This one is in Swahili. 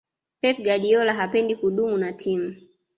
pep guardiola hapendi kudumu na timu